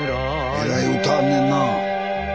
えらい歌あんねんな。